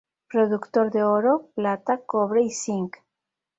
Productor de oro, plata, cobre y zinc.